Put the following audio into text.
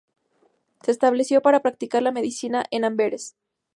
Se estableció para practicar la medicina en Amberes.